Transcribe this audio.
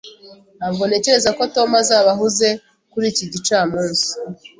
Ntabwo ntekereza ko Tom azaba ahuze kuri iki gicamunsi